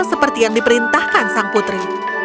seperti yang diperintahkan sang putri